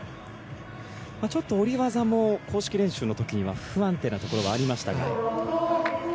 ちょっと下り技も公式練習の時に不安定なところがありましたが。